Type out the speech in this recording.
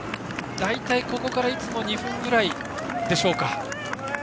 大体、ここからいつも２分ぐらいでしょうか。